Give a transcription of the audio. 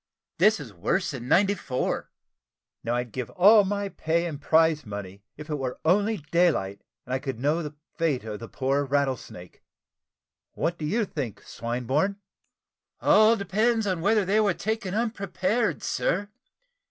This is worst than '94." "Now I'd give all my pay and prize money, if it were only daylight and I could know the fate of the poor Rattlesnake. What do you think, Swinburne?" "All depends upon whether they were taken unprepared, sir.